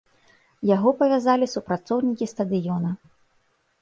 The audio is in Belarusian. Яго павязалі супрацоўнікі стадыёна.